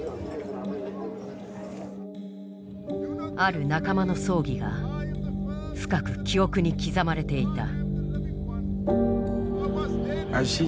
ある仲間の葬儀が深く記憶に刻まれていた。